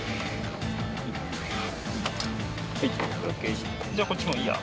はいじゃあこっちもいいや。